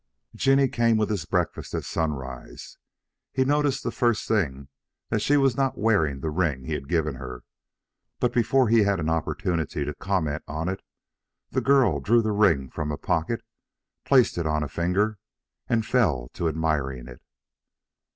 Jinny came with his breakfast at sunrise. He noticed the first thing that she was not wearing the ring he had given her, but before he had an opportunity to comment on it, the girl drew the ring from a pocket, placed it on a finger and fell to admiring it.